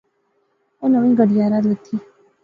اوہ نویں گڈیا راں لیتھِی